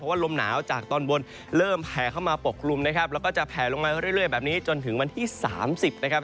ว่าลมหนาวจากตอนบนเริ่มแผ่เข้ามาปกคลุมนะครับแล้วก็จะแผลลงมาเรื่อยแบบนี้จนถึงวันที่สามสิบนะครับ